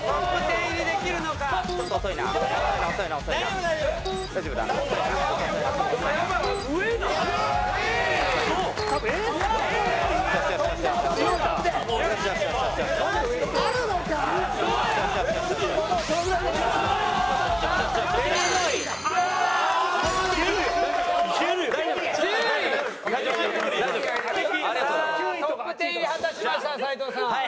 さあトップ１０入り果たしました斎藤さん。